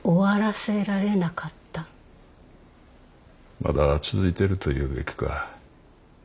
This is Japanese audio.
まだ続いているというべきか。